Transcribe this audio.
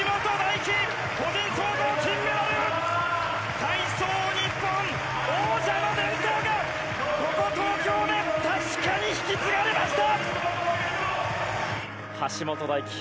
体操日本、王者の伝統がここ、東京で確かに引き継がれました！